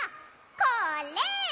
これ！